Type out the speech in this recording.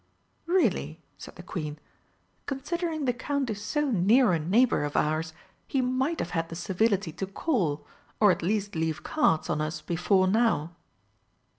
"Really!" said the Queen, "considering the Count is so near a neighbour of ours, he might have had the civility to call, or at least leave cards, on us before now!"